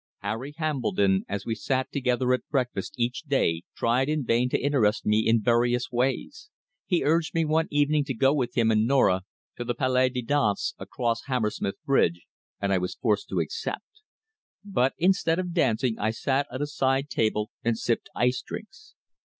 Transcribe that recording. Harry Hambledon, as we sat together at breakfast each day, tried in vain to interest me in various ways. He urged me one evening to go with him and Norah to the Palais de Danse, across Hammersmith Bridge, and I was forced to accept. But instead of dancing I sat at a side table and sipped ice drinks.